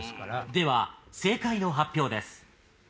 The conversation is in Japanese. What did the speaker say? では正解の発表です。